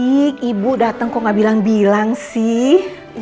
baik ibu datang kok gak bilang bilang sih